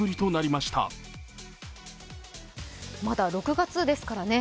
まだ６月ですからね。